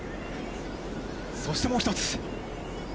そしてもう１つ。